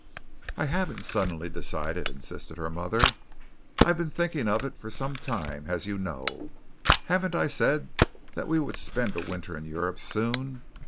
"I haven't suddenly decided," insisted her mother. "I've been thinking of it for some time, as you know. Haven't I said that we would spend a winter in Europe soon?